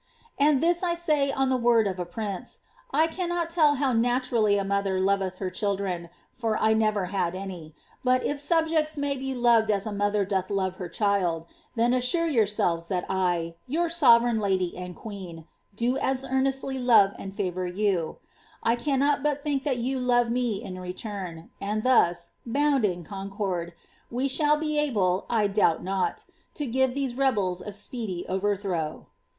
And this I say on the word of a prince. I cannot tell how naturally a mother loveth her children, for I never had any; but if subjects may be loved as a mother doth her child, then assure yourselves tliat I, your sovereign lady and queen, do as earnestly love and iiivour yovk. 1 cannot but think tiiat you lore nte in return ; and thus, bound in concord, we shall be able, I doubt not, to give these rebels a speedy overthrow.